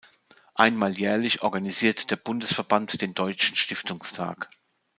Einmal jährlich organisiert der Bundesverband den Deutschen Stiftungstag.